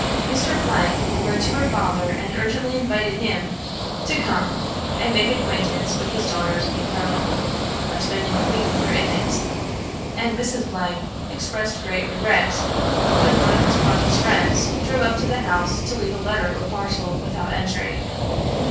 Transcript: Mr. wrote to her father, and urgently invited him to come and make acquaintance with his daughter's new home, by spending a week with her in it; and Mrs. expressed great regret when one of Miss Bronte's friends drove up to the house to leave a letter or parcel, without entering.